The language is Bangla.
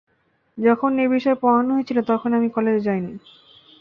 যখন এই বিষয় পড়ানো হয়েছিল তখন আমি কলেজে যাইনি!